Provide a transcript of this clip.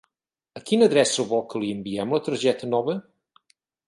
A quina adreça vol que li enviem la targeta nova?